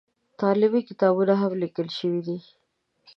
تعلیمي کتابونه هم لیکل شوي دي.